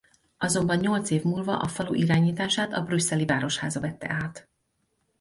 Azonban nyolc év múlva a falu irányítását a brüsszeli városháza vette át.